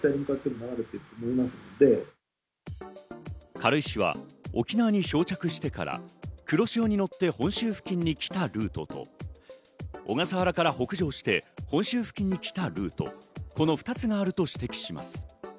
軽石は沖縄に漂着してから黒潮に乗って本州付近に来たルートと、小笠原から北上して本州付近に来たルート、この２つがあると指摘します。